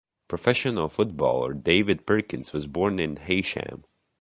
Professional footballer David Perkins was born in Heysham.